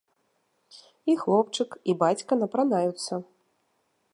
І хлопчык і бацька напранаюцца.